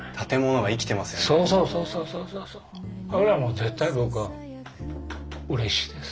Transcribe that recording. それはもう絶対僕はうれしいです。